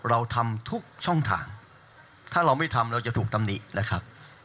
เราทำทุกช่องทางถ้าเราไม่ทำเราจะถูกตำหนินะครับ